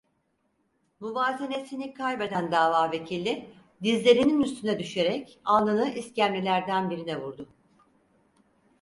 Muvazenesini kaybeden davavekili dizlerinin üstüne düşerek alnını iskemlelerden birine vurdu.